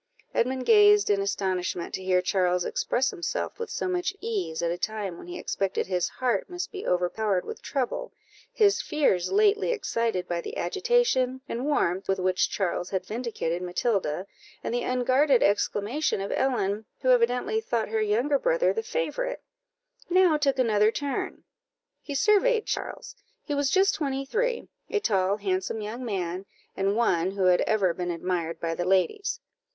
Edmund gazed in astonishment to hear Charles express himself with so much ease, at a time when he expected his heart must be overpowered with trouble; his fears lately excited by the agitation and warmth with which Charles had vindicated Matilda, and the unguarded exclamation of Ellen, who evidently thought her younger brother the favourite, now took another turn; he surveyed Charles; he was just twenty three a tall, handsome young man, and one who had ever been admired by the ladies.